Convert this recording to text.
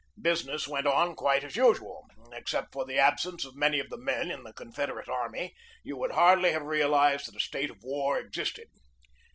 Business went on quite as usual. Except for the absence of many of the men in the Confederate army, you would hardly have realized that a state of war existed.